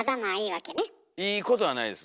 いいことはないです。